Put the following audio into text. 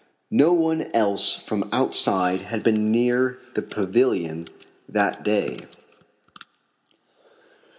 No one else from outside had been near the pavilion that day.